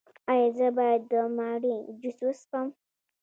ایا زه باید د مڼې جوس وڅښم؟